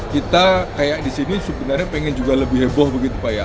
kita kayak di sini sebenarnya pengen juga lebih heboh begitu pak ya